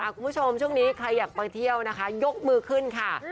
คุณผู้ชมช่วงนี้ใครอยากไปเที่ยวนะคะยกมือขึ้นค่ะ